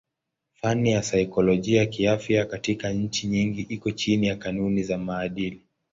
Fani ya saikolojia kiafya katika nchi nyingi iko chini ya kanuni za maadili.